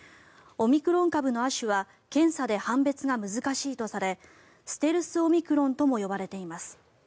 オミクロン株の亜種は検査で判別が難しいとされステルス・オミクロンとも呼ばれています。